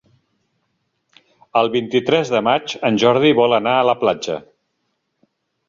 El vint-i-tres de maig en Jordi vol anar a la platja.